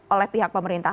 oleh pihak pemerintah